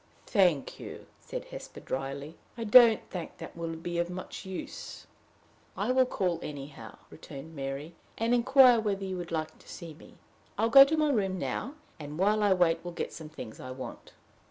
"Thank you," said Hesper, dryly; "I don't think that would be of much use." "I will call anyhow," returned Mary, "and inquire whether you would like to see me. I will go to my room now, and while I wait will get some things I want."